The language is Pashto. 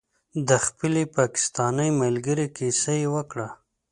د خپلې پاکستانۍ ملګرې کیسه یې وکړه.